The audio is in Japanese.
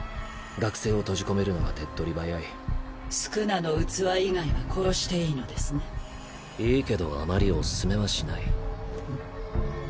学生を閉じ込めるのが手っとり早い宿儺の器以外は殺していいいけどあまりお勧めはしん？